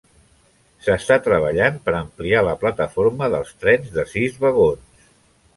S'està treballant per ampliar la plataforma dels trens de sis vagons.